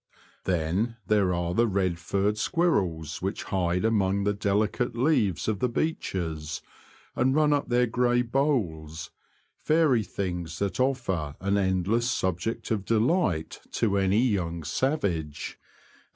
Then there are the red furred squirrels which hide among the delicate leaves of the beeches and run up their The Confessions of a Poacher. 9 \ grey boles — fairy things that oflfer an endless subject of delight to any young savage, and